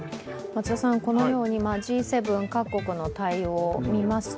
このようにＧ７各国の対応を見ますと